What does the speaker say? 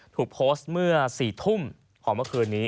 ถูกโพสต์เมื่อ๔ทุ่มของเมื่อคืนนี้